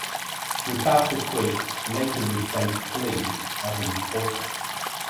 Rebecca Quick later replaced Glick as a reporter.